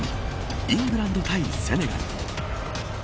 イングランド対セネガル。